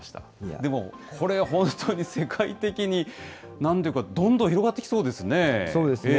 でもこれ、本当に世界的になんというか、どんどん広がっていきそうですね。